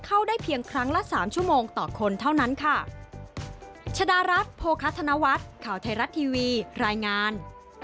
ข่าวไทยรัฐทีวีรายงาน